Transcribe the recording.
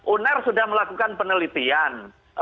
uner sudah melakukan penelitian